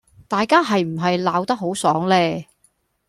大家係唔係鬧得好爽呢？